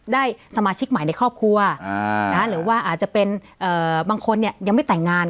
ได้สมาชิกใหม่ในครอบครัวหรือว่าอาจจะเป็นบางคนยังไม่แต่งงาน